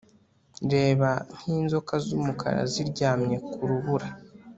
reba nk'inzoka z'umukara ziryamye ku rubura